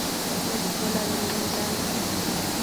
La Escuela de Leningrado".